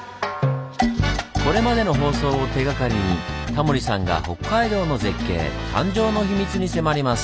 これまでの放送を手がかりにタモリさんが北海道の絶景誕生の秘密に迫ります。